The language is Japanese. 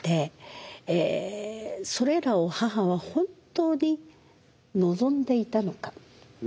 それらを母は本当に望んでいたのか？